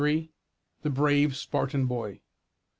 XXIII. THE BRAVE SPARTAN BOY.